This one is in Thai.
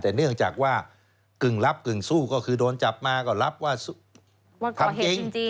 แต่เนื่องจากว่ากึ่งรับกึ่งสู้ก็คือโดนจับมาก็รับว่าทำจริง